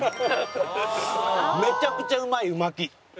めちゃくちゃうまいう巻き。